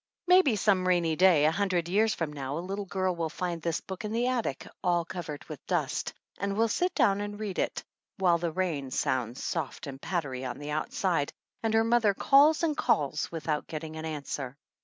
Maybe some rainy day, a hundred years from now, a little girl will find this book in the attic, all covered with dust, and will sit down and read it, while the rain sounds soft and pattery on the outside, and her mother calls and calls without getting an answer.